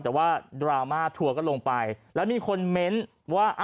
แต่ว่าดราม่าทัวร์ก็ลงไปแล้วมีคนเมนต์ว่า